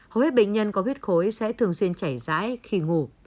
hầu hết bệnh nhân có huyết khối sẽ thường xuyên chảy rãi khi ngủ